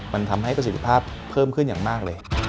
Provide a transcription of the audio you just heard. มันทำให้ประสิทธิภาพเพิ่มขึ้นอย่างมากเลย